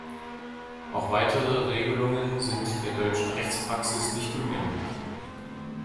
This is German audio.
Auch weitere Regelungen sind der deutschen Rechtspraxis nicht unähnlich.